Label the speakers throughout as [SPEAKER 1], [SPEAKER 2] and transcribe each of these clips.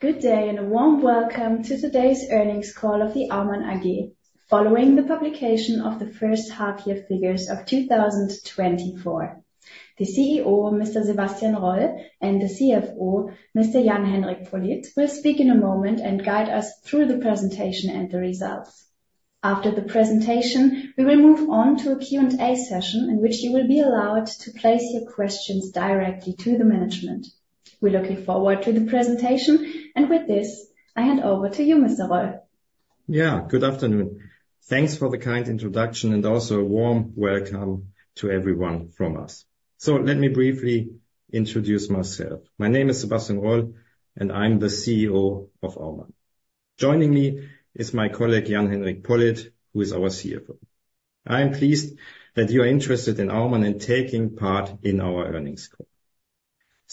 [SPEAKER 1] Good day, and a warm welcome to today's Earnings Call of the Aumann AG. Following the publication of the first half-year figures of 2024. The CEO, Mr. Sebastian Roll, and the CFO, Mr. Jan-Henrik Pollitt, will speak in a moment and guide us through the presentation and the results. After the presentation, we will move on to a Q&A session, in which you will be allowed to place your questions directly to the management. We're looking forward to the presentation, and with this, I hand over to you, Mr. Roll.
[SPEAKER 2] Yeah, good afternoon. Thanks for the kind introduction, and also a warm welcome to everyone from us. Let me briefly introduce myself. My name is Sebastian Roll, and I'm the CEO of Aumann. Joining me is my colleague, Jan-Henrik Pollitt, who is our CFO. I am pleased that you are interested in Aumann and taking part in our earnings call.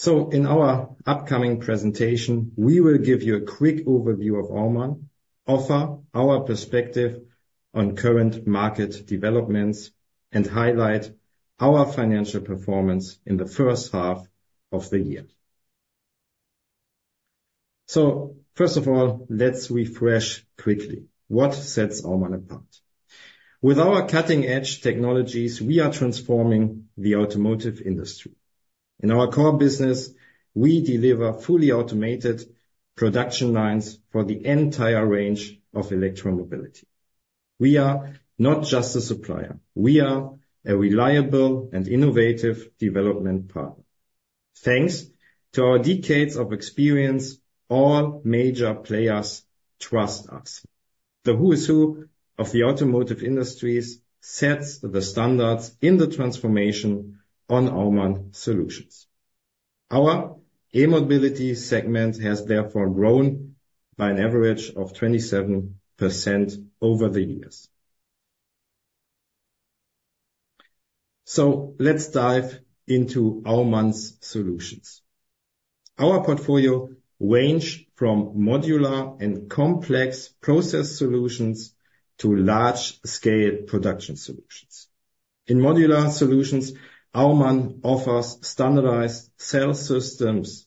[SPEAKER 2] In our upcoming presentation, we will give you a quick overview of Aumann, offer our perspective on current market developments, and highlight our financial performance in the first half of the year. First of all, let's refresh quickly. What sets Aumann apart? With our cutting-edge technologies, we are transforming the automotive industry. In our core business, we deliver fully automated production lines for the entire range of electromobility. We are not just a supplier; we are a reliable and innovative development partner. Thanks to our decades of experience, all major players trust us. The who's who of the automotive industries sets the standards in the transformation on Aumann solutions. Our e-mobility segment has therefore grown by an average of 27% over the years. So let's dive into Aumann's solutions. Our portfolio range from modular and complex process solutions to large-scale production solutions. In modular solutions, Aumann offers standardized cell systems.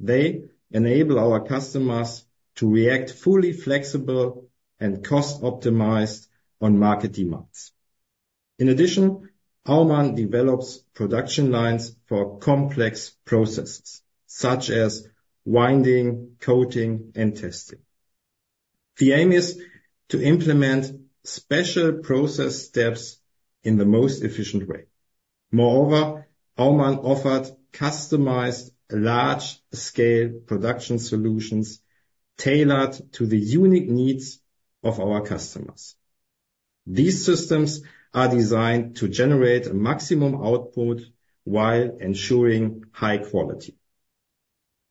[SPEAKER 2] They enable our customers to react fully flexible and cost-optimized on market demands. In addition, Aumann develops production lines for complex processes, such as winding, coating, and testing. The aim is to implement special process steps in the most efficient way. Moreover, Aumann offered customized, large-scale production solutions tailored to the unique needs of our customers. These systems are designed to generate a maximum output while ensuring high quality.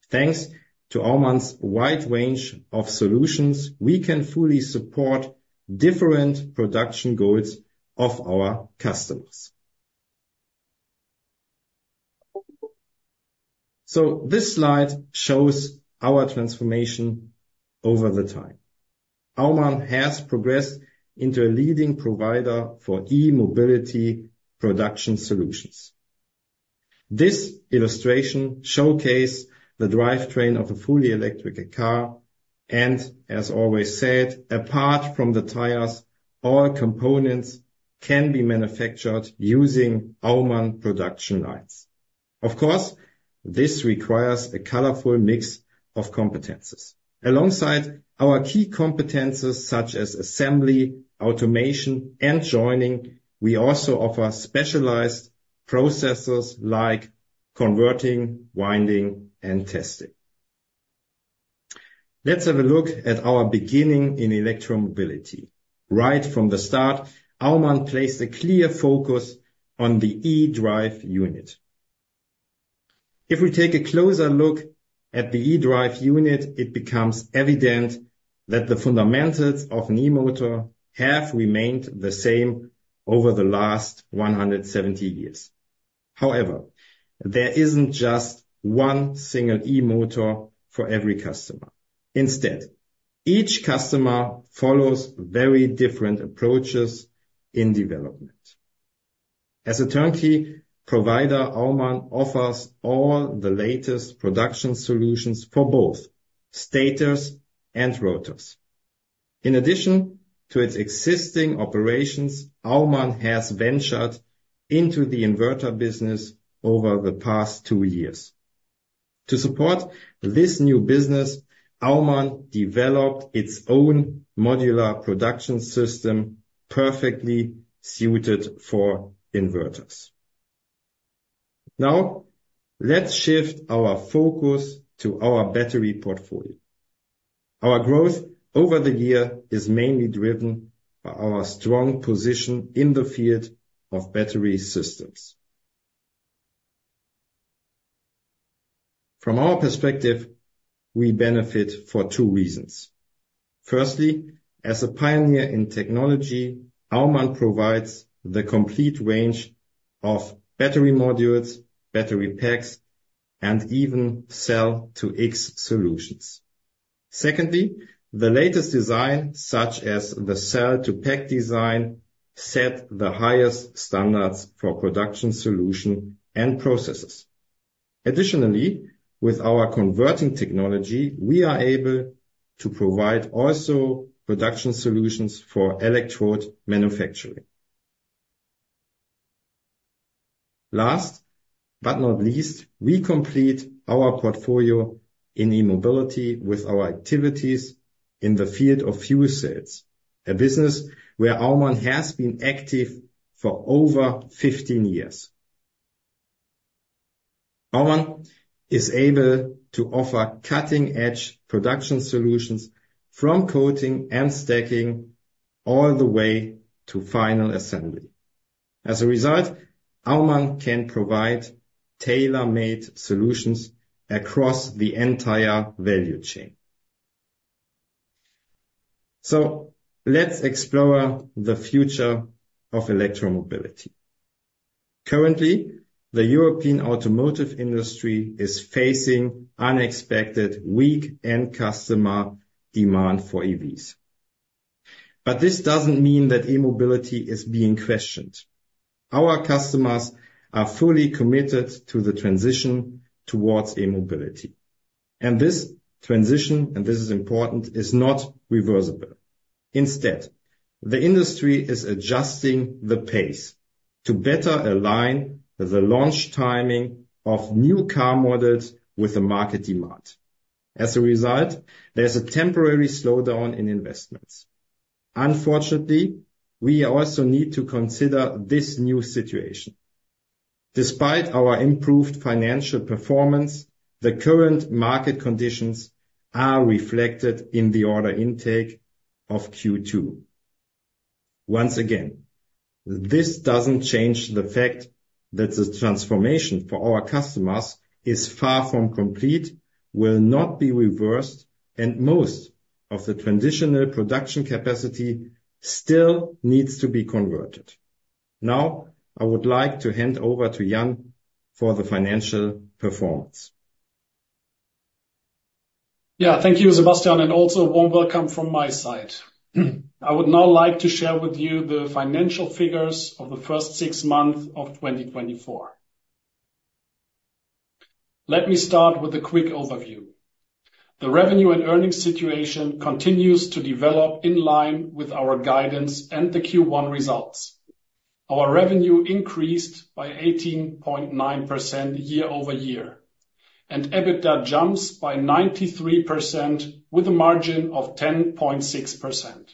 [SPEAKER 2] Thanks to Aumann's wide range of solutions, we can fully support different production goals of our customers. So this slide shows our transformation over the time. Aumann has progressed into a leading provider for e-mobility production solutions. This illustration showcase the drivetrain of a fully electric car, and as always said, apart from the tires, all components can be manufactured using Aumann production lines. Of course, this requires a colorful mix of competencies. Alongside our key competencies, such as assembly, automation, and joining, we also offer specialized processes like converting, winding, and testing. Let's have a look at our beginning in e-mobility. Right from the start, Aumann placed a clear focus on the e-drive unit. If we take a closer look at the e-drive unit, it becomes evident that the fundamentals of an e-motor have remained the same over the last 170 years. However, there isn't just one single e-motor for every customer. Instead, each customer follows very different approaches in development. As a turnkey provider, Aumann offers all the latest production solutions for both stators and rotors. In addition to its existing operations, Aumann has ventured into the inverter business over the past two years. To support this new business, Aumann developed its own modular production system, perfectly suited for inverters. Now, let's shift our focus to our battery portfolio. Our growth over the year is mainly driven by our strong position in the field of battery systems. From our perspective, we benefit for two reasons. Firstly, as a pioneer in technology, Aumann provides the complete range of battery modules, battery packs, and even cell-to-X solutions… secondly, the latest design, such as the cell-to-pack design, set the highest standards for production solution and processes. Additionally, with our converting technology, we are able to provide also production solutions for electrode manufacturing. Last but not least, we complete our portfolio in e-mobility with our activities in the field of fuel cells, a business where Aumann has been active for over 15 years. Aumann is able to offer cutting-edge production solutions, from coating and stacking all the way to final assembly. As a result, Aumann can provide tailor-made solutions across the entire value chain. So let's explore the future of electromobility. Currently, the European automotive industry is facing unexpected weak end customer demand for EVs. But this doesn't mean that e-mobility is being questioned. Our customers are fully committed to the transition towards e-mobility, and this transition, and this is important, is not reversible. Instead, the industry is adjusting the pace to better align the launch timing of new car models with the market demand. As a result, there's a temporary slowdown in investments. Unfortunately, we also need to consider this new situation. Despite our improved financial performance, the current market conditions are reflected in the order intake of Q2. Once again, this doesn't change the fact that the transformation for our customers is far from complete, will not be reversed, and most of the transitional production capacity still needs to be converted. Now, I would like to hand over to Jan for the financial performance.
[SPEAKER 3] Yeah. Thank you, Sebastian, and also a warm welcome from my side. I would now like to share with you the financial figures of the first six months of 2024. Let me start with a quick overview. The revenue and earnings situation continues to develop in line with our guidance and the Q1 results. Our revenue increased by 18.9% year-over-year, and EBITDA jumps by 93% with a margin of 10.6%.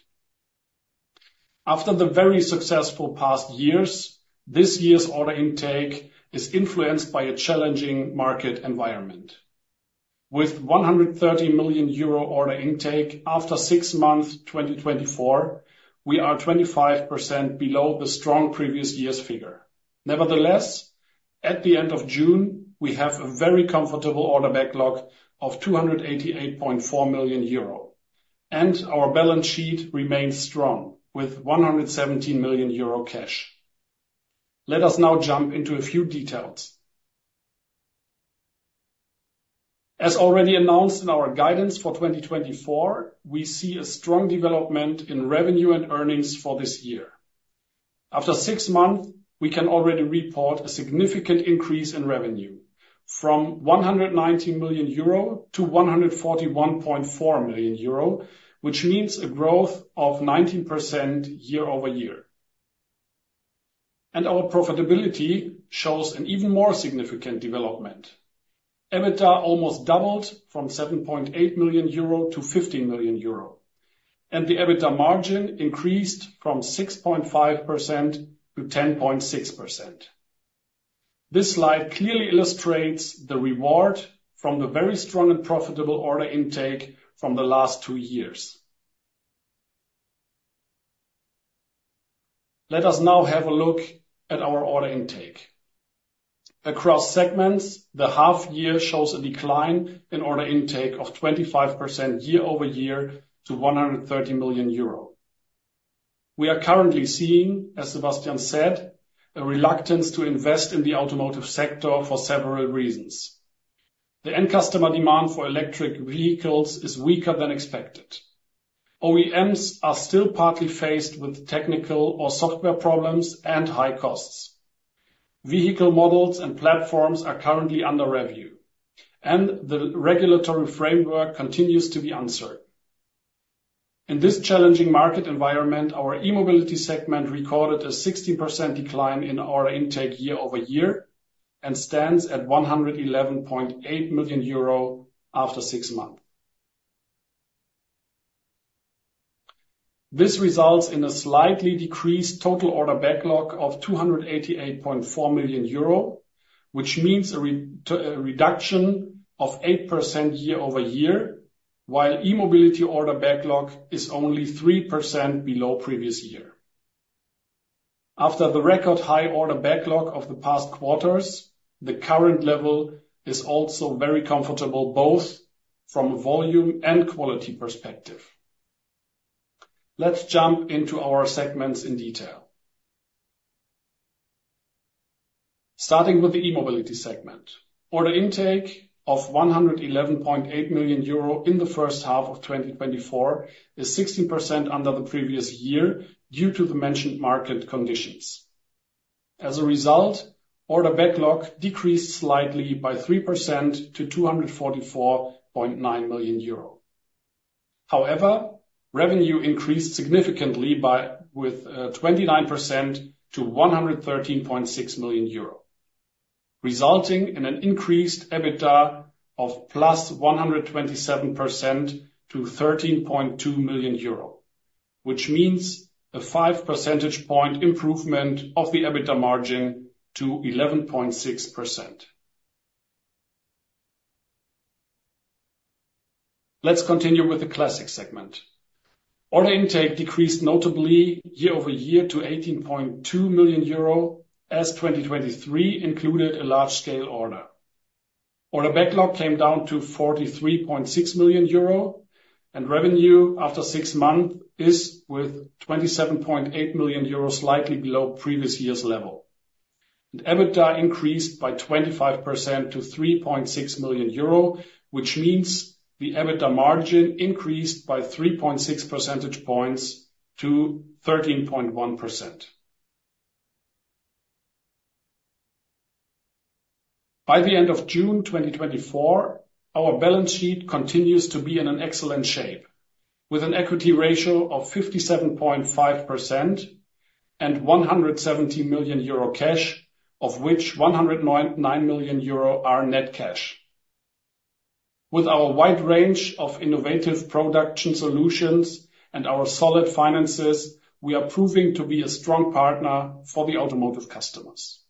[SPEAKER 3] After the very successful past years, this year's order intake is influenced by a challenging market environment. With 130 million euro order intake after six months, 2024, we are 25% below the strong previous year's figure. Nevertheless, at the end of June, we have a very comfortable order backlog of 288.4 million euro, and our balance sheet remains strong, with 117 million euro cash. Let us now jump into a few details. As already announced in our guidance for 2024, we see a strong development in revenue and earnings for this year. After 6 months, we can already report a significant increase in revenue from 119 million euro to 141.4 million euro, which means a growth of 19% year-over-year. Our profitability shows an even more significant development. EBITDA almost doubled from 7.8 million euro to 50 million euro, and the EBITDA margin increased from 6.5% to 10.6%. This slide clearly illustrates the reward from the very strong and profitable order intake from the last two years. Let us now have a look at our order intake. Across segments, the half year shows a decline in order intake of 25% year-over-year to 130 million euro. We are currently seeing, as Sebastian said, a reluctance to invest in the automotive sector for several reasons. The end customer demand for electric vehicles is weaker than expected. OEMs are still partly faced with technical or software problems and high costs. Vehicle models and platforms are currently under review, and the regulatory framework continues to be uncertain. In this challenging market environment, our e-mobility segment recorded a 16% decline in order intake year-over-year, and stands at 111.8 million euro after six months. This results in a slightly decreased total order backlog of 288.4 million euro, which means a reduction of 8% year-over-year, while e-mobility order backlog is only 3% below previous year. After the record high order backlog of the past quarters, the current level is also very comfortable, both from a volume and quality perspective. Let's jump into our segments in detail. Starting with the e-mobility segment. Order intake of 111.8 million euro in the first half of 2024 is 16% under the previous year due to the mentioned market conditions. As a result, order backlog decreased slightly by 3% to 244.9 million euro. However, revenue increased significantly by 29% to 113.6 million euro, resulting in an increased EBITDA of +127% to 13.2 million euro. Which means a five percentage point improvement of the EBITDA margin to 11.6%. Let's continue with the classic segment. Order intake decreased notably year-over-year to 18.2 million euro, as 2023 included a large scale order. Order backlog came down to 43.6 million euro, and revenue after six months is 27.8 million euros, slightly below previous year's level. EBITDA increased by 25% to 3.6 million euro, which means the EBITDA margin increased by three point six percentage points to 13.1%. By the end of June 2024, our balance sheet continues to be in an excellent shape, with an equity ratio of 57.5% and 170 million euro cash, of which 109 million euro are net cash. With our wide range of innovative production solutions and our solid finances, we are proving to be a strong partner for the automotive customers.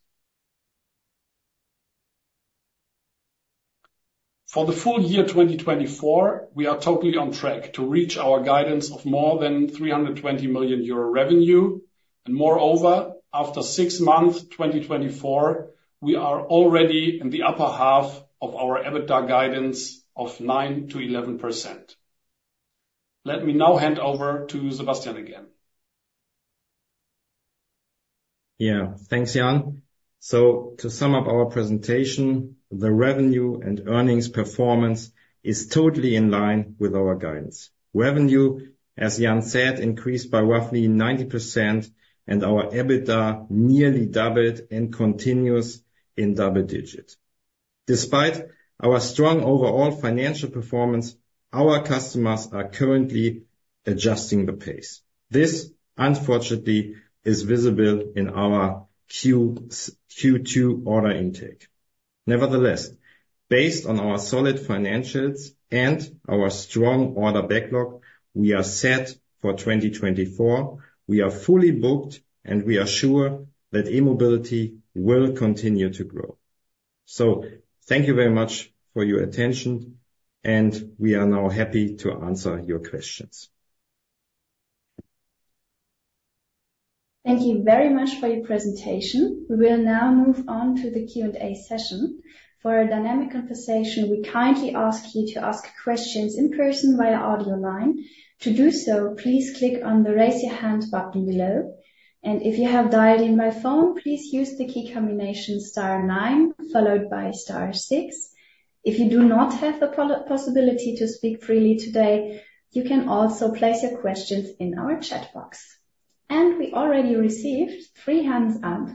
[SPEAKER 3] For the full year 2024, we are totally on track to reach our guidance of more than 320 million euro revenue. And moreover, after six months, 2024, we are already in the upper half of our EBITDA guidance of 9%-11%. Let me now hand over to Sebastian again.
[SPEAKER 2] Yeah. Thanks, Jan. So to sum up our presentation, the revenue and earnings performance is totally in line with our guidance. Revenue, as Jan said, increased by roughly 90%, and our EBITDA nearly doubled and continues in double digits. Despite our strong overall financial performance, our customers are currently adjusting the pace. This, unfortunately, is visible in our Q2 order intake. Nevertheless, based on our solid financials and our strong order backlog, we are set for 2024. We are fully booked, and we are sure that e-mobility will continue to grow. So thank you very much for your attention, and we are now happy to answer your questions.
[SPEAKER 1] Thank you very much for your presentation. We will now move on to the Q&A session. For a dynamic conversation, we kindly ask you to ask questions in person via audio line. To do so, please click on the Raise Your Hand button below, and if you have dialed in by phone, please use the key combination star nine, followed by star six. If you do not have the possibility to speak freely today, you can also place your questions in our chat box. And we already received three hands up.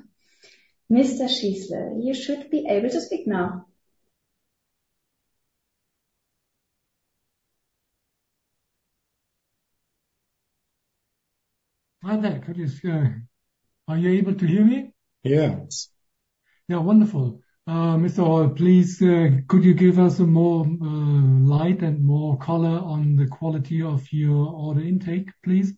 [SPEAKER 1] Mr. Schießl, you should be able to speak now.
[SPEAKER 4] Hi there. How it is going? Are you able to hear me?
[SPEAKER 2] Yes.
[SPEAKER 4] Yeah, wonderful. Mr. Roll, please, could you give us more light and more color on the quality of your order intake, please?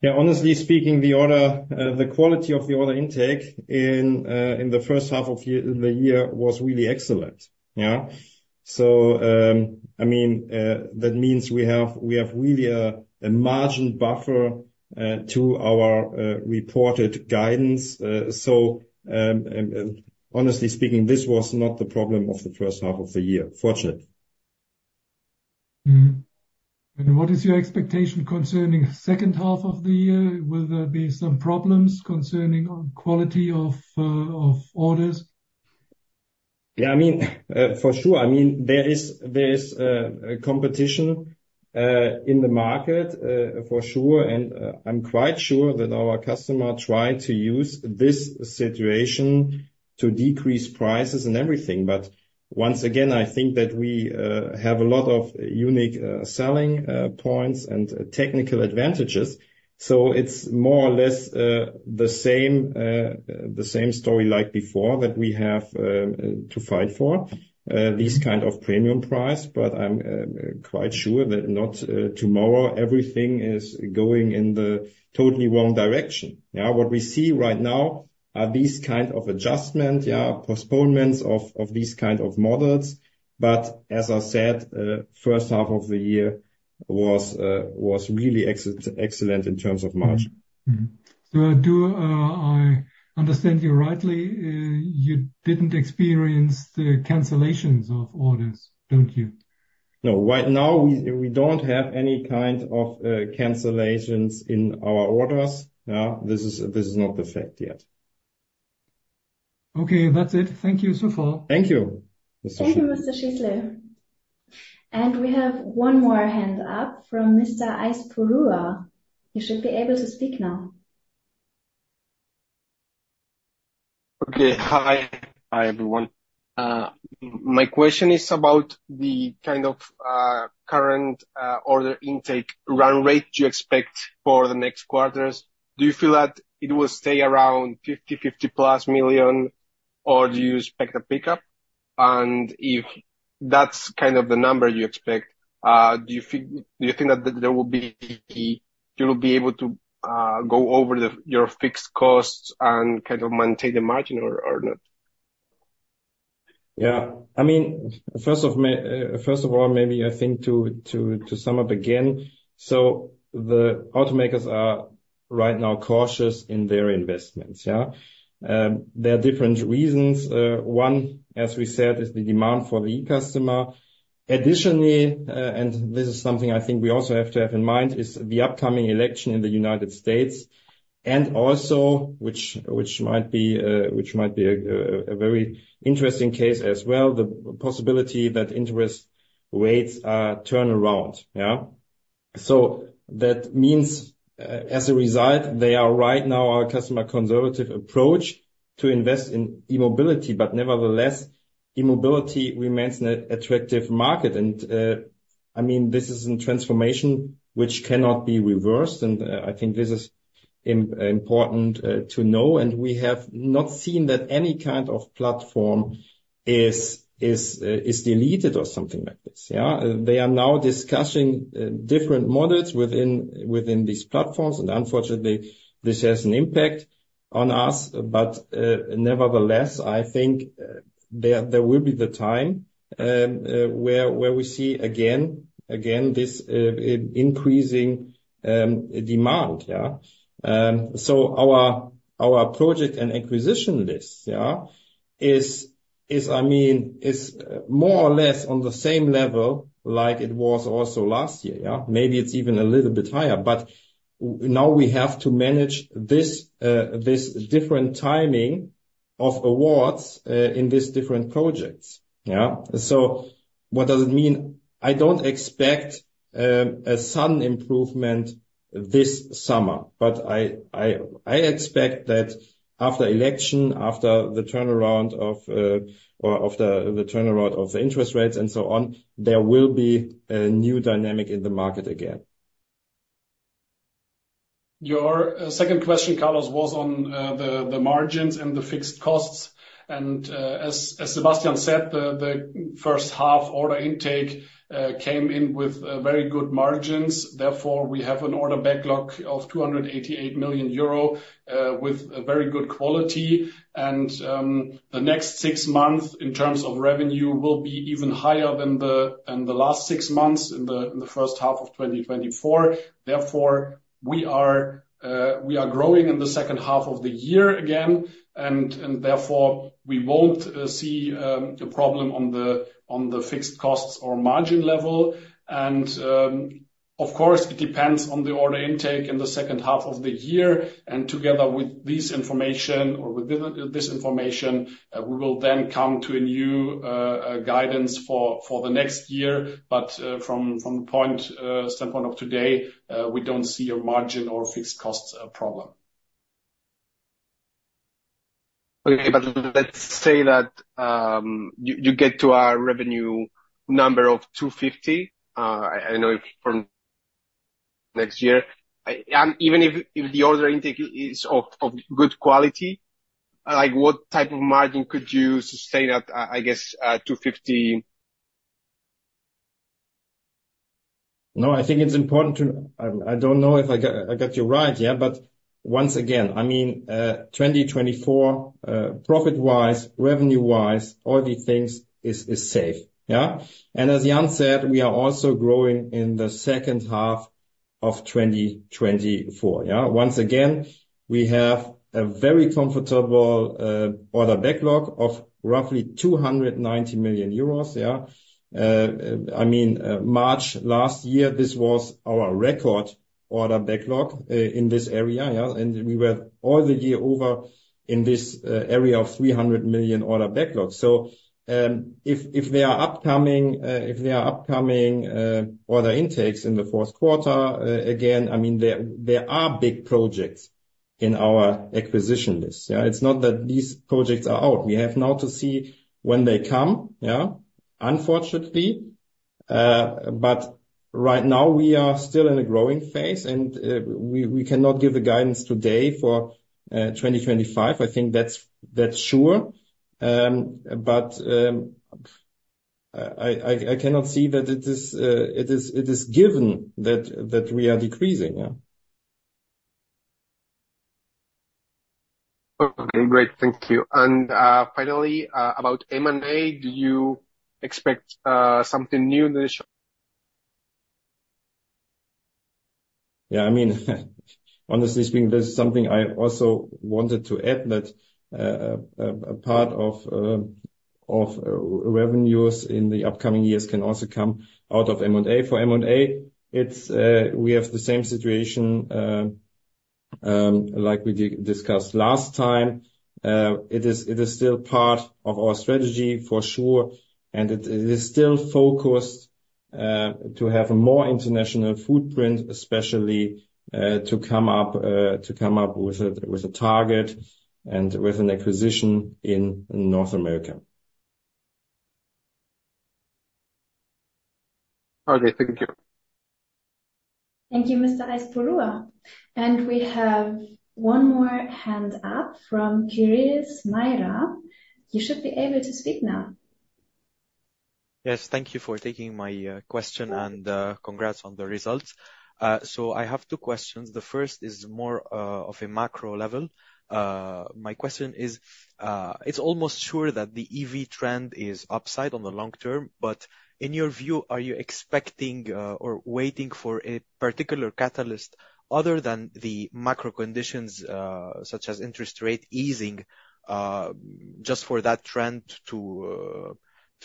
[SPEAKER 2] Yeah, honestly speaking, the quality of the order intake in the first half of the year was really excellent. Yeah. So, I mean, that means we have really a margin buffer to our reported guidance. So, honestly speaking, this was not the problem of the first half of the year. Fortunately.
[SPEAKER 4] And what is your expectation concerning second half of the year? Will there be some problems concerning on quality of orders?
[SPEAKER 2] Yeah, I mean, for sure, I mean, there is competition in the market, for sure. And I'm quite sure that our customer try to use this situation to decrease prices and everything. But once again, I think that we have a lot of unique selling points and technical advantages. So it's more or less the same story like before, that we have to fight for these kind of premium price. But I'm quite sure that not tomorrow everything is going in the totally wrong direction. Now, what we see right now are these kind of adjustment, yeah, postponements of these kind of models. But as I said, first half of the year was really excellent in terms of margin.
[SPEAKER 4] So do I understand you rightly, you didn't experience the cancellations of orders, don't you?
[SPEAKER 2] No, right now, we, we don't have any kind of cancellations in our orders. Yeah, this is, this is not the fact yet.
[SPEAKER 4] Okay, that's it. Thank you so far.
[SPEAKER 2] Thank you.
[SPEAKER 1] Thank you, Mr. Schießl. We have one more hand up from Mr. Aizpurua. You should be able to speak now.
[SPEAKER 5] Okay. Hi. Hi, everyone. My question is about the kind of current order intake run rate you expect for the next quarters. Do you feel that it will stay around 50 million, 50+ million, or do you expect a pickup? And if that's kind of the number you expect, do you feel—do you think that there will be, you will be able to go over your fixed costs and kind of maintain the margin or not?
[SPEAKER 2] Yeah. I mean, first of all, maybe I think to sum up again, so the automakers are right now cautious in their investments, yeah? There are different reasons. One, as we said, is the demand for the end customer. Additionally, and this is something I think we also have to have in mind, is the upcoming election in the United States, and also, which might be a very interesting case as well, the possibility that interest rates turn around, yeah? So that means, as a result, they are right now, our customers' conservative approach to invest in e-mobility, but nevertheless, e-mobility remains an attractive market. I mean, this is in transformation which cannot be reversed, and I think this is important to know, and we have not seen that any kind of platform is deleted or something like this, yeah? They are now discussing different models within these platforms, and unfortunately, this has an impact on us. But nevertheless, I think there will be the time where we see again this increasing demand, yeah? So our project and acquisition list, yeah, is, I mean, is more or less on the same level like it was also last year, yeah? Maybe it's even a little bit higher, but now we have to manage this different timing of awards in these different projects, yeah? So what does it mean? I don't expect a sudden improvement this summer, but I expect that after election, after the turnaround of the interest rates and so on, there will be a new dynamic in the market again.
[SPEAKER 3] Your second question, Carlos, was on the margins and the fixed costs. As Sebastian said, the first half order intake came in with very good margins. Therefore, we have an order backlog of 288 million euro with a very good quality. And the next six months, in terms of revenue, will be even higher than the last six months in the first half of 2024. Therefore, we are growing in the second half of the year again, and therefore, we won't see a problem on the fixed costs or margin level. Of course, it depends on the order intake in the second half of the year, and together with this information or with this information, we will then come to a new guidance for the next year. From the standpoint of today, we don't see a margin or fixed costs problem.
[SPEAKER 5] Okay, but let's say that you get to a revenue number of 250 million, I know from next year. And even if the order intake is of good quality, like, what type of margin could you sustain at, I guess, 250 million?
[SPEAKER 2] No, I think it's important to. I don't know if I got you right yet, but once again, I mean, 2024, profit-wise, revenue-wise, all the things is safe, yeah? And as Jan said, we are also growing in the second half of 2024, yeah? Once again, we have a very comfortable order backlog of roughly 290 million euros, yeah? I mean, March last year, this was our record order backlog in this area, yeah, and we were all year over in this area of 300 million order backlog. So, if there are upcoming order intakes in the fourth quarter, again, I mean, there are big projects in our acquisition list, yeah? It's not that these projects are out. We have now to see when they come, yeah? Unfortunately, but right now we are still in a growing phase, and we cannot give a guidance today for 2025. I think that's sure. But I cannot see that it is given that we are decreasing, yeah.
[SPEAKER 5] Okay, great. Thank you. And, finally, about M&A, do you expect something new in the short-
[SPEAKER 2] Yeah, I mean, honestly speaking, this is something I also wanted to add, that a part of revenues in the upcoming years can also come out of M&A. For M&A, it's we have the same situation like we discussed last time. It is still part of our strategy, for sure, and it is still focused to have a more international footprint, especially to come up with a target and with an acquisition in North America.
[SPEAKER 5] Okay, thank you.
[SPEAKER 1] Thank you, Mr. Aizpurua. We have one more hand up from Kirill Chmykh. You should be able to speak now.
[SPEAKER 6] Yes, thank you for taking my question, and congrats on the results. So I have two questions. The first is more of a macro level. My question is, it's almost sure that the EV trend is upside on the long term, but in your view, are you expecting or waiting for a particular catalyst other than the macro conditions, such as interest rate easing, just for that trend to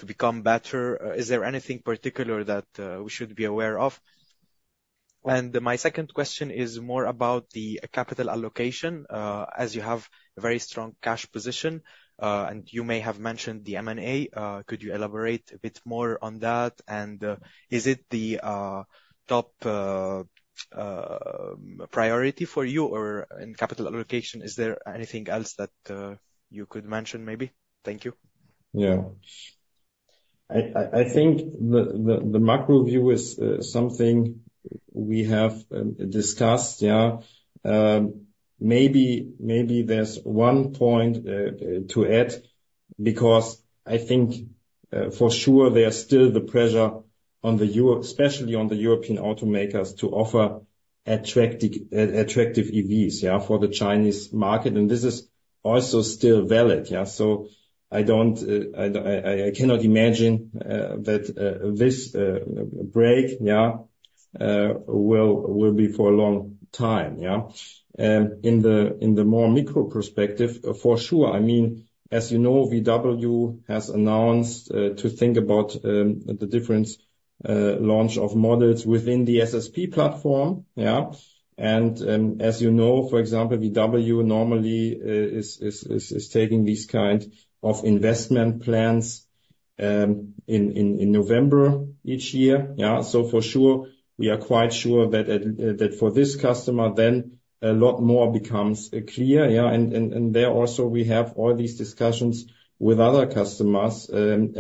[SPEAKER 6] become better? Is there anything particular that we should be aware of? And my second question is more about the capital allocation. As you have a very strong cash position, and you may have mentioned the M&A, could you elaborate a bit more on that? Is it the top priority for you, or in capital allocation, is there anything else that you could mention maybe? Thank you.
[SPEAKER 2] Yeah. I think the macro view is something we have discussed, yeah. Maybe there's one point to add, because I think for sure there are still the pressure on the Euro- especially on the European automakers, to offer attractive, attractive EVs, yeah, for the Chinese market, and this is also still valid, yeah? So I don't... I cannot imagine that this break, yeah, will be for a long time, yeah? In the more micro perspective, for sure, I mean, as you know, VW has announced to think about the different launch of models within the SSP platform, yeah? And, as you know, for example, VW normally is taking these kind of investment plans in November each year, yeah? So for sure, we are quite sure that at that for this customer, then a lot more becomes clear, yeah? And there also we have all these discussions with other customers, and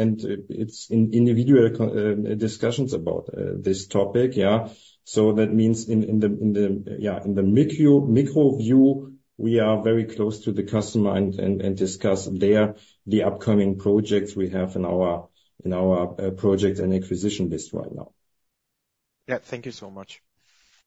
[SPEAKER 2] it's in individual discussions about this topic, yeah? So that means in the, yeah, in the micro view, we are very close to the customer and discuss there the upcoming projects we have in our project and acquisition list right now.
[SPEAKER 6] Yeah. Thank you so much.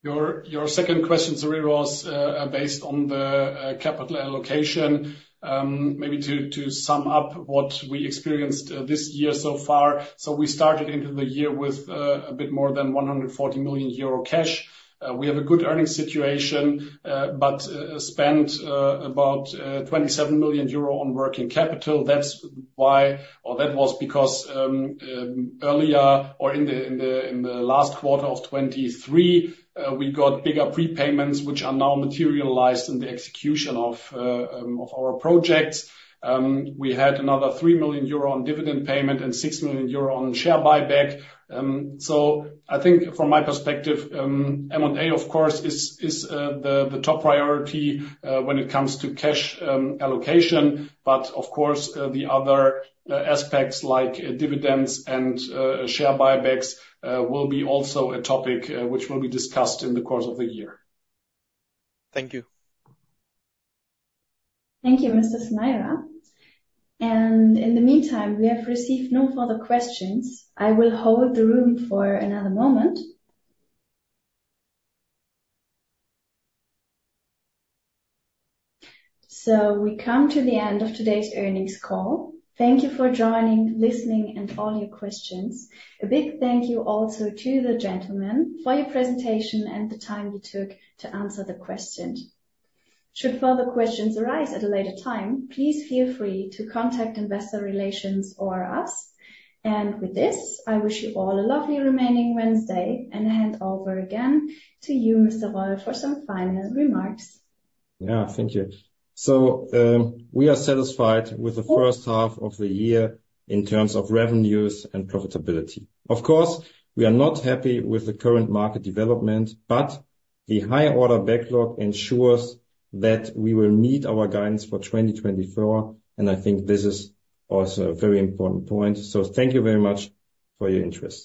[SPEAKER 3] Your second question, sorry, was based on the capital allocation. Maybe to sum up what we experienced this year so far, so we started into the year with a bit more than 140 million euro cash. We have a good earnings situation, but spent about 27 million euro on working capital. That's why or that was because earlier or in the last quarter of 2023, we got bigger prepayments, which are now materialized in the execution of our projects. We had another 3 million euro on dividend payment and 6 million euro on share buyback. So I think from my perspective, M&A, of course, is the top priority when it comes to cash allocation. But of course, the other aspects, like dividends and share buybacks, will be also a topic, which will be discussed in the course of the year.
[SPEAKER 6] Thank you.
[SPEAKER 1] Thank you, Mr. Chmykh. In the meantime, we have received no further questions. I will hold the room for another moment. We come to the end of today's earnings call. Thank you for joining, listening, and all your questions. A big thank you also to the gentlemen for your presentation and the time you took to answer the questions. Should further questions arise at a later time, please feel free to contact investor relations or us. With this, I wish you all a lovely remaining Wednesday, and hand over again to you, Mr. Roll, for some final remarks.
[SPEAKER 2] Yeah. Thank you. So, we are satisfied with the first half of the year in terms of revenues and profitability. Of course, we are not happy with the current market development, but the high order backlog ensures that we will meet our guidance for 2024, and I think this is also a very important point. So thank you very much for your interest.